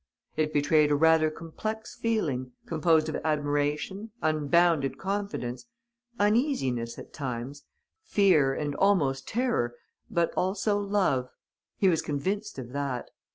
It betrayed a rather complex feeling, composed of admiration, unbounded confidence, uneasiness at times, fear and almost terror, but also love: he was convinced of that.